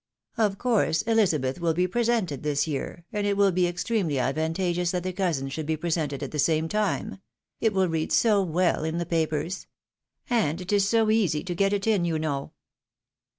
Of course Ehzabeth will be presented this year, and it wiU. be extremely advantageous that the cousins should be presented at the same time ; it will read so well in the papers! — and it is so easy to get it in, you know."